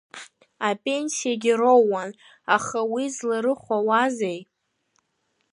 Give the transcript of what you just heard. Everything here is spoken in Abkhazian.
Апенсиагьы роуан, аха уи зларыхәауазеи!